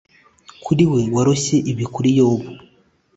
kuri we woroshye ibibi kuri yobu